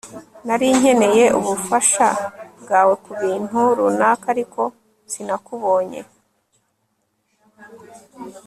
Nari nkeneye ubufasha bwawe kubintu runaka ariko sinakubonye